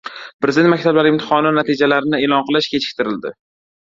Prezident maktablari imtihoni natijalarini e’lon qilish kechiktirildi